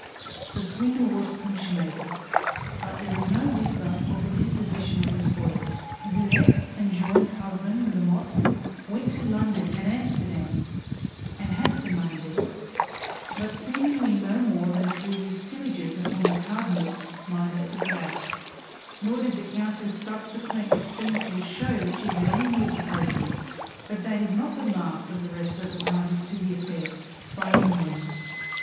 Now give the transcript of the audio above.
The swindle was consummated, but there is no whisper of the disposition of the spoils. Villette, and Jeanne's husband Lamotte, went to London and Amsterdam, and had some money there; but seemingly no more than the previous pillages upon the cardinal might have supplied; nor did the countess' subsequent expenditures show that she had any of the proceeds. But that is not the last of the rest of the parties to the affair, by any means.